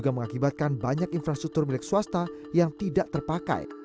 mengakibatkan banyak infrastruktur milik swasta yang tidak terpakai